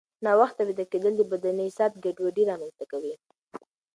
ناوخته ویده کېدل د بدني ساعت ګډوډي رامنځته کوي.